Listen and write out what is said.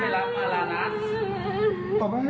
เอาให้เปิด